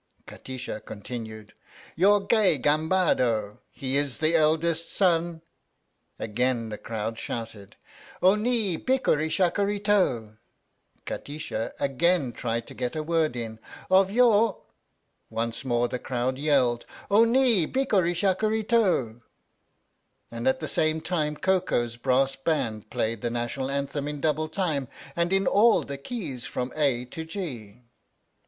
Kati sha continued: your gay gambad He is the eldest son Again the crowd shouted : O ni! bikkuri shakkuri to! 71 THE STORY OF THE MIKADO Kati sha again tried to get a word in: of your Once more the crowd yelled : O ni! bikkuri shakkuri to! and at the same time Koko's brass band played the National Anthem in double time, and in all the keys from A to G.